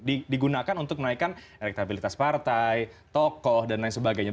karena itu digunakan untuk menaikkan elektabilitas partai tokoh dan lain sebagainya